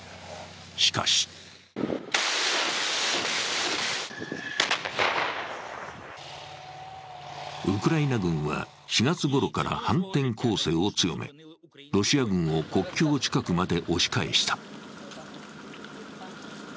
しかしウクライナ軍は、４月ごろから反転攻勢を強め、ロシア軍を国境近くまで押し返した。